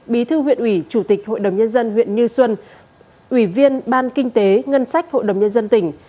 bí thư huyện ủy chủ tịch hội đồng nhân dân huyện như xuân ủy viên ban kinh tế ngân sách hội đồng nhân dân tỉnh